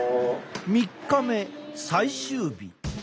３日目最終日。